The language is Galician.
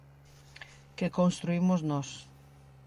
Que construímos nós.